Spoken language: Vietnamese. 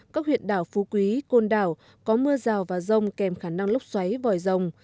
các huyện đảo phú quý côn đảo có mưa rào và rông kèm khả năng lốc xoáy vòi rồng